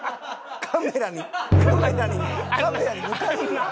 カメラにカメラに抜かれるわ。